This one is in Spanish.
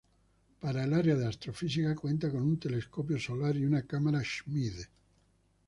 Para el área de astrofísica cuenta con un telescopio solar y una cámara Schmidt.